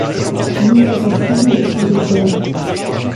Nie miał zastrzeżeń i zgodził się na to